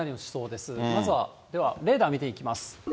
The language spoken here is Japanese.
ではレーダー見ていきます。